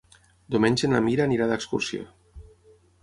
Diumenge na Mira anirà d'excursió.